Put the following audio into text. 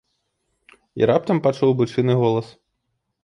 І раптам пачуў бычыны голас.